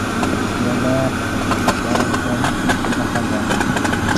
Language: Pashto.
پیاله د هوسا ژوند نښه ده.